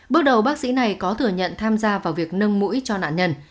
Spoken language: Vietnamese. bước đầu bác sĩ này có thừa nhận tham gia vào việc nâng mũi cho nạn nhân